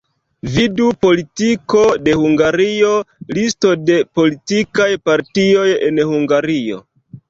Vidu: Politiko de Hungario, Listo de politikaj partioj en Hungario.